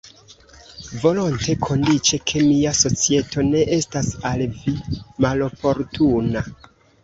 Volonte, kondiĉe ke mia societo ne estas al vi maloportuna.